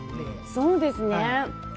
そうですね。